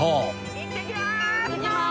いってきます！